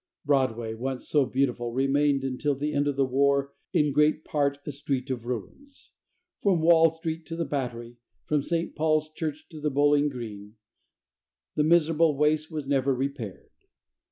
Broadway, once so beautiful, remained until the end of the war in great part a street of ruins. From Wall Street to the Battery, from St. Paul's Church to the Bowling Green, the miserable waste was never repaired.